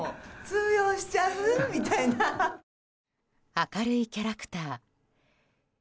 明るいキャラクター。